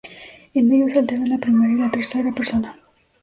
En ellos se alterna la primera y la tercera persona.